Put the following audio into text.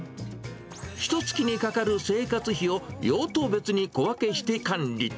ひとつきにかかる生活費を用途別に小分けして管理。